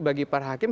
bagi para hakim